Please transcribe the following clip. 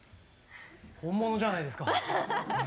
本物じゃないですか！